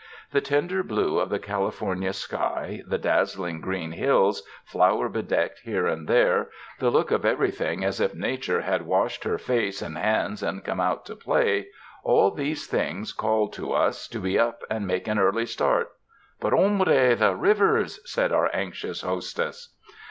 The tender blue of the California sky, the dazzling green hills, flower bedecked here and there, the look of everything as if Nature had washed her face and hands and come out to play — all these things called to us to be up and make an early start. "But hombre, the rivers?" said our anxious host ess.